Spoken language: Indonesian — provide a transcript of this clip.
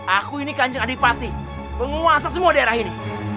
aku ini kanjeng adipati penguasa semua daerah ini